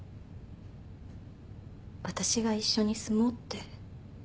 私が一緒に住もうって。